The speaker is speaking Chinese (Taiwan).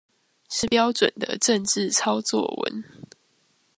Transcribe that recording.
是標準的政治操作文